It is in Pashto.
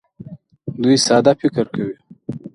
دوی ساده فکر کوي.